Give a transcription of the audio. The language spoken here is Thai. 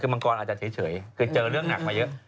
คือมังกรอาจจะเฉยคือเจอเรื่องหนักมาเยอะ